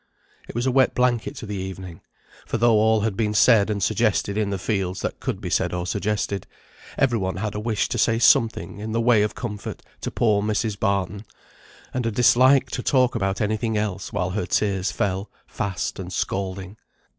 It was a wet blanket to the evening; for though all had been said and suggested in the fields that could be said or suggested, every one had a wish to say something in the way of comfort to poor Mrs. Barton, and a dislike to talk about any thing else while her tears fell fast and scalding.